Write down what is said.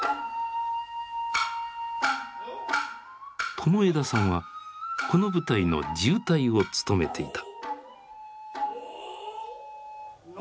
友枝さんはこの舞台の地謡を務めていた。